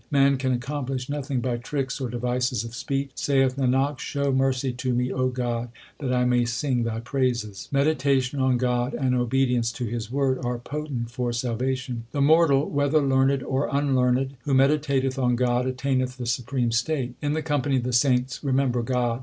Man can accomplish nothing by tricks or devices of speech. Saith Nanak, show mercy to me, O God, that I may sing Thy praises. Meditation on God and obedience to His word are potent for salvation : The mortal, whether learned or unlearned, Who meditateth on God, attaineth the supreme state. In the company of the saints remember God.